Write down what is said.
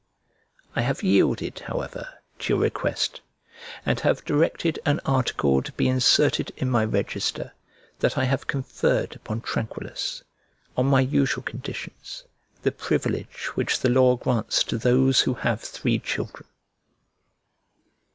I have yielded, however, to your request, and have directed an article to be inserted in my register, that I have conferred upon Tranquillus, on my usual conditions, the privilege which the law grants to these who have three children.